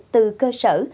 từ cơ sở